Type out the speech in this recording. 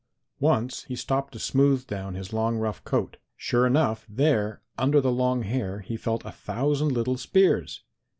Once he stopped to smooth down his long, rough coat. Sure enough, there, under the long hair, he felt a thousand little spears.